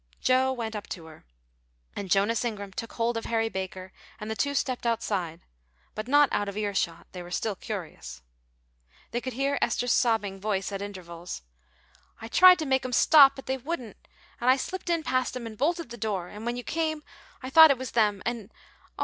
Joe went up to her, and Jonas Ingram took hold of Harry Barker, and the two stepped outside, but not out of ear shot; they were still curious. They could hear Esther's sobbing voice at intervals. "I tried to make 'em stop, but they wouldn't, and I slipped in past 'em and bolted the door; and when you came, I thought it was them and, oh!